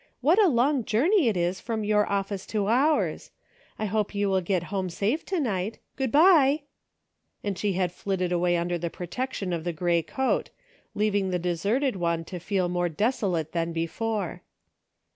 What a long journey it is from your office to ours ! I hope you will get home safe to night ; good by !" and she had flit ted away under the protection of the gray coat, leaving the deserted one to feel more desolate than before.